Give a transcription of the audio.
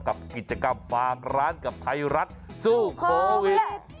กับกิจกรรมฝากร้านกับไทยรัฐสู้โควิด